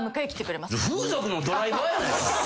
風俗のドライバーやないか。